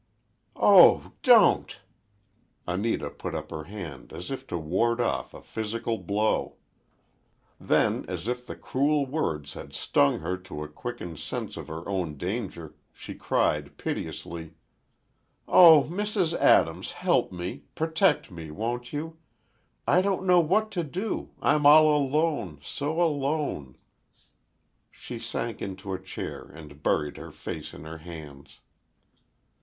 "Oh! Don't!" Anita put up her hand as if to ward off a physical blow. Then, as if the cruel words had stung her to a quickened sense of her own danger, she cried, piteously: "Oh, Mrs. Adams, help me—protect me—won't you? I don't know what to do—I'm all alone—so alone—" She sank into a chair and buried her face in her hands.